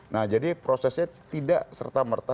nah jadi prosesnya tidak serta merta